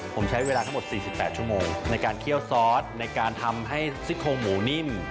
ผมใช้เวลาทั้งหมด๔๘ชั่วโมงในการเคี่ยวซอสในการทำให้ซิกโครงหมูนิ่ม